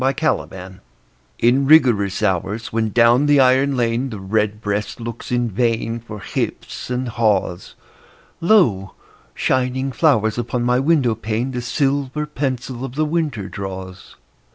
XVII—WINTER In rigorous hours, when down the iron lane The redbreast looks in vain For hips and haws, Lo, shining flowers upon my window pane The silver pencil of the winter draws.